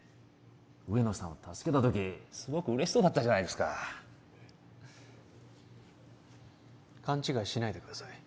上野さんを助けた時すごく嬉しそうだったじゃないですか勘違いしないでください